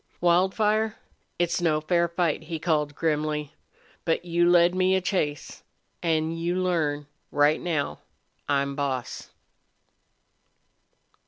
"Wildfire, it's no fair fight," he called, grimly. "But you led me a chase. An' you learn right now I'm boss!"